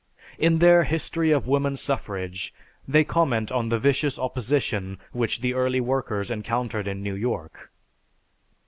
In their "History of Woman Suffrage" they comment on the vicious opposition which the early workers encountered in New York.